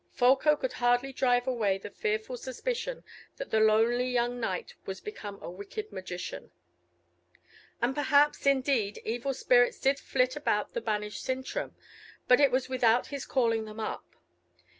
Folko could hardly drive away the fearful suspicion that the lonely young knight was become a wicked magician. And perhaps, indeed, evil spirits did flit about the banished Sintram, but it was without his calling them up.